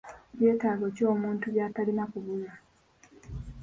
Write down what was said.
Byetaago ki omuntu by'atalina kubulwa?